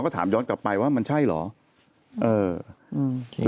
ก็ถามย้อนกลับไปว่ามันใช่เหรอ